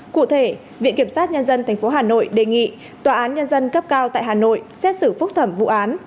cụ thể viện kiểm sát nhân dân tp hà nội đề nghị tòa án nhân dân cấp cao tại hà nội xét xử phúc thẩm vụ án